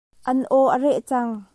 An aw a reh cang.